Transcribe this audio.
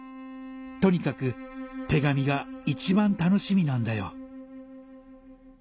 「とにかく手紙が一番楽しみなんだよ」